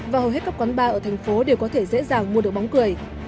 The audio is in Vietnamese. và hầu hết các quán bar ở thành phố đều có thể dễ dàng mua được bóng cười